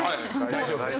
大丈夫です。